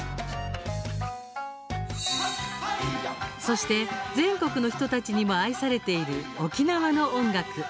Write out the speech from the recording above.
そして全国の人たちにも愛されている沖縄の音楽。